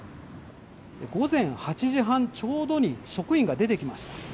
午前８時半ちょうどに職員が出てきました。